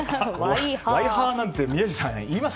ワイハーなんて宮司さん言います？